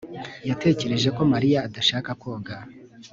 yatekereje ko mariya adashaka koga